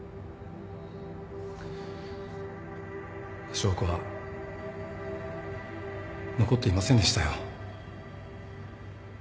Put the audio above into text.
証拠は残っていませんでしたよ。